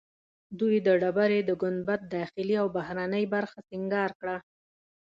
دوی د ډبرې د ګنبد داخلي او بهرنۍ برخه سنګار کړه.